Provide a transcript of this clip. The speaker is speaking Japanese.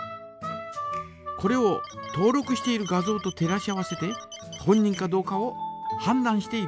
これを登録している画像と照らし合わせて本人かどうかをはんだんしているんです。